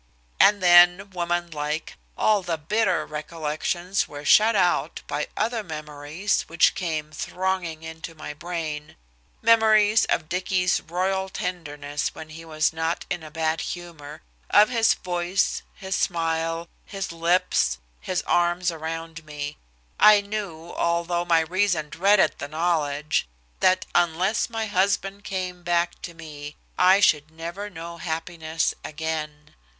And then, woman like, all the bitter recollections were shut out by other memories which came thronging into my brain, memories of Dicky's royal tenderness when he was not in a bad humor, of his voice, his smile, his lips, his arms around me, I knew, although my reason dreaded the knowledge, that unless my husband came back to me, I should never know happiness again.